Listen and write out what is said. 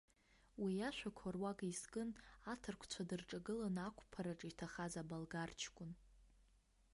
Уи иашәақәа руак изкын аҭырқәцәа дырҿагыланы ақәԥараҿ иҭахаз аболгар ҷкәын.